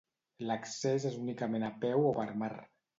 L'accés és únicament a peu o per mar.